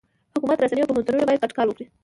حکومت، رسنۍ، او پوهنتونونه باید ګډ کار وکړي.